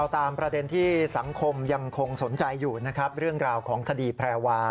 ตามประเด็นที่สังคมยังคงสนใจอยู่นะครับเรื่องราวของคดีแพรวา